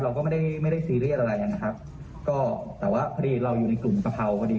เราก็ไม่ได้ไม่ได้ซีเรียสอะไรนะครับก็แต่ว่าพอดีเราอยู่ในกลุ่มกะเพราพอดี